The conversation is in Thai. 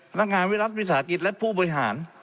พนักงานวิสาหกิจและผู้บริหาร